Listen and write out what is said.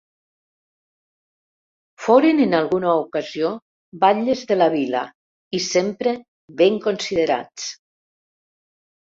Foren en alguna ocasió batlles de la vila i sempre ben considerats.